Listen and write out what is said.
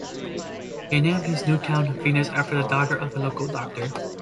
He named his new town "Venus", after the daughter of a local doctor.